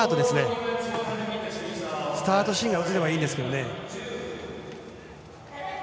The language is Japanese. スタートシーンが映ればいいんですが。